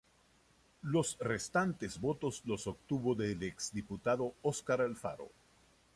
Los restantes votos los obtuvo el exdiputado Óscar Alfaro.